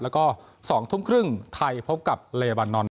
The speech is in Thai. แล้วก็๒ทุ่มครึ่งไทยพบกับเลบานอน